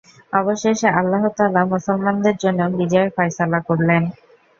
অবশেষে আল্লাহ তাআলা মুসলমানদের জন্য বিজয়ের ফয়সালা করলেন।